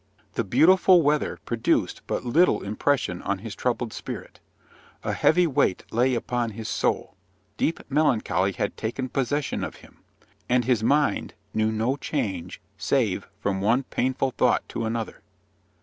The beautiful weather produced but little impression on his troubled spirit. A heavy weight lay upon his soul, deep melancholy had taken possession of him, and his mind knew no change save from one painful thought to another.